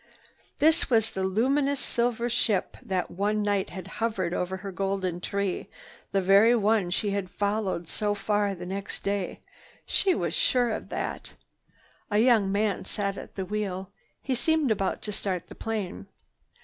This was the luminous silver ship that one night had hovered over her golden tree, the very one she had followed so far next day. She was sure of that. A young man sat at the wheel. He seemed about to start the plane.